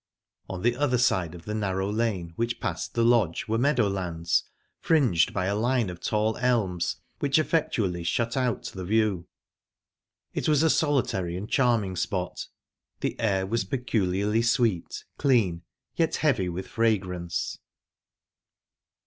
On the other side of the narrow lane which passed the lodge were meadow lands, fringed by a line of tall elms, which effectually shut out the view. It was a solitary and charming spot. The air was peculiarly sweet, clean, yet heavy with fragrance.